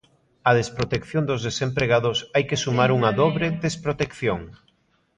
Á desprotección dos desempregados hai que sumar unha dobre desprotección.